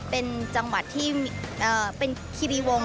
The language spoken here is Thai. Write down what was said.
เป็นจังหวัดที่เป็นคิริวงศ